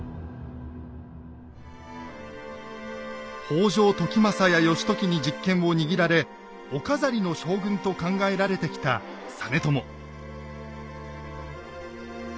北条時政や義時に実権を握られお飾りの将軍と考えられてきた実朝。